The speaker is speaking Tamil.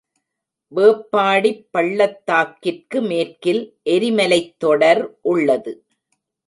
வேப்பாடிப் பள்ளத்தாக்கிற்கு மேற்கில் எரிமலைத் தொடர் உள்ளது.